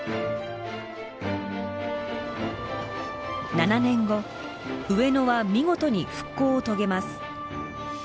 ７年後上野は見事に復興を遂げます。